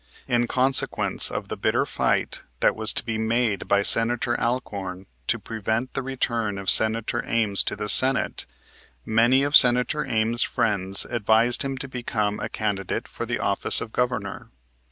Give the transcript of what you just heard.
In consequence of the bitter fight that was to be made by Senator Alcorn to prevent the return of Senator Ames to the Senate, many of Senator Ames' friends advised him to become a candidate for the office of Governor.